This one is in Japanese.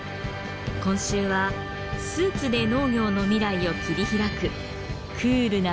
今週はスーツで農業の未来を切り開くクールな青年の物語です。